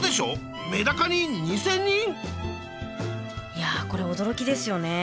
いやこれ驚きですよね。